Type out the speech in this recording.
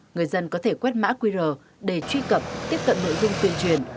người dân có thể quét mã qr để truy cập tiếp cận nội dung tuyên truyền